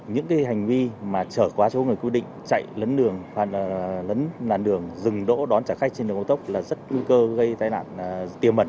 những hành vi mà chở quá số người quy định chạy lấn đường hoặc là lấn làn đường dừng đỗ đón trả khách trên đường cao tốc là rất nguy cơ gây tai nạn tiềm mẩn